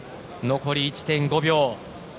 残り１．５秒。